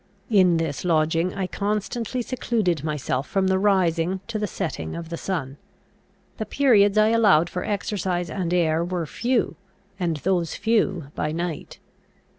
In this lodging I constantly secluded myself from the rising to the setting of the sun; the periods I allowed for exercise and air were few, and those few by night.